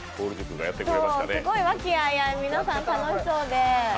すごい和気あいあい、皆さん楽しそうで。